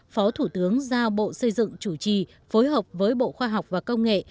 phó thủ tướng giao bộ xây dựng chủ trì phối hợp với bộ khoa học và công nghệ